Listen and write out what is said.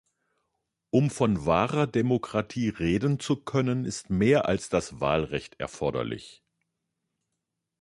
Um von wahrer Demokratie reden zu können, ist mehr als das Wahlrecht erforderlich.